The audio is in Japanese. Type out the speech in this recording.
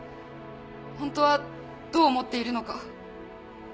ホントはどう思っているのか。